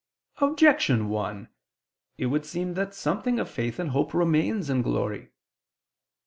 Objection 1: It would seem that something of faith and hope remains in glory.